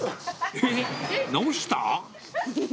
えっ、直した？